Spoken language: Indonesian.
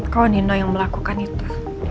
kalo nino yang melakukan itu